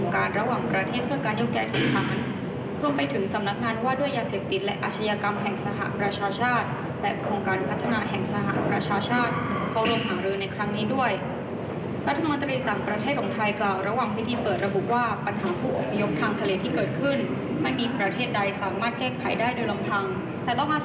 การประชุมว่าด้วยการโยกย้ายถิ่นฐานแบบไม่ปกติในมหาสมุทรอินเดียครั้งที่๒เริ่มเปิดฉากแล้ว